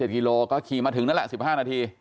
กิโลก็ขี่มาถึงนั่นแหละ๑๕นาที